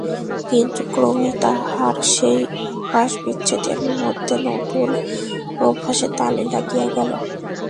কিন্তু ক্রমে তাহার সেই অভ্যাসবিচ্ছেদের মধ্যে নূতন অভ্যাসের তালি লাগিয়া গেল।